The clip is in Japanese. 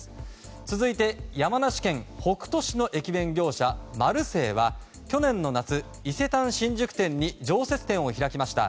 続いて、山梨県北杜市の駅弁業者、丸政は去年の夏、伊勢丹新宿店に常設展を開きました。